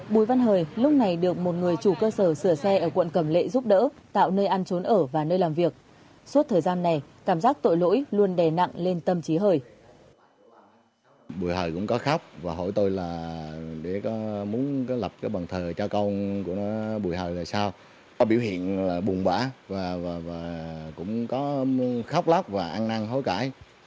đối tượng được một người chủ cơ sở sửa xe ở quận cầm lệ giúp đỡ tạo nơi ăn trốn ở và nơi làm việc suốt thời gian này cảm giác tội lỗi luôn đè nặng lên tâm trí hời